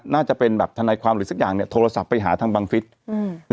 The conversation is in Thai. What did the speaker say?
น่าจะเป็นแบบทนายความหรือสักอย่างเนี้ยโทรศัพท์ไปหาทางบังฟิศอืม